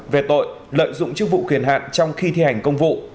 về tội lợi dụng chức vụ quyền hạn trong khi thi hành công vụ